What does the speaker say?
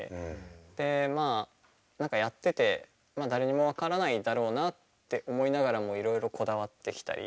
でまあ何かやってて誰にも分からないだろうなって思いながらもいろいろこだわってきたり。